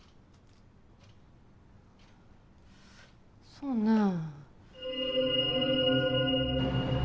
そうねえ。